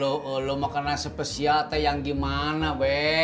oh lu makanan spesial atau yang gimana be